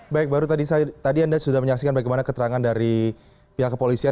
baik baru tadi anda sudah menyaksikan bagaimana keterangan dari pihak kepolisian